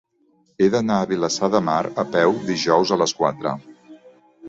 He d'anar a Vilassar de Mar a peu dijous a les quatre.